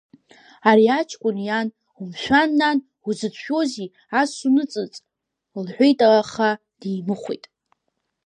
Ари аҷкәын иан, умшәан, нан, узыцәшәозеи, ас уныҵыҵ, — лҳәеит, аха димыхәеит.